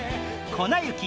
『粉雪』